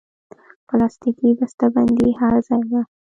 پلاستيکي بستهبندي هر ځای ده.